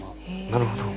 なるほど。